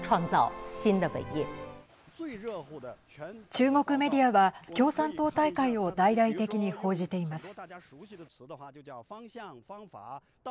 中国メディアは共産党大会を大々的に報じています。